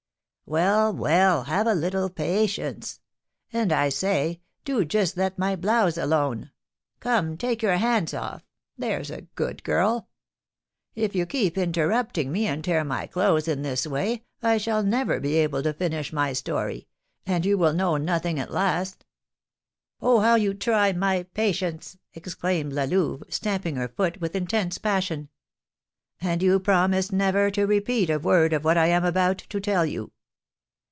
"Well, well, have a little patience! And, I say, do just let my blouse alone! Come, take your hands off, there's a good girl; if you keep interrupting me, and tear my clothes in this way, I shall never be able to finish my story, and you will know nothing at last." "Oh, how you try my patience!" exclaimed La Louve, stamping her foot with intense passion. "And you promise never to repeat a word of what I am about to tell you?"